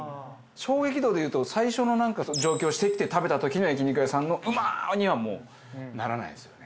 衝撃度でいうと最初のなんか上京してきて食べた時の焼き肉屋さんの「うまっ！」にはもうならないですよね。